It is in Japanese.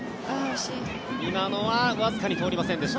今のはわずかに通りませんでした。